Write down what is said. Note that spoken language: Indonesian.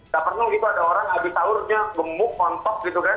gak pernah begitu ada orang habis saurnya gemuk kontok gitu kan